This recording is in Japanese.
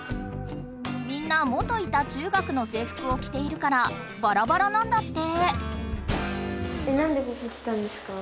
みんな元いた中学の制服をきているからバラバラなんだって。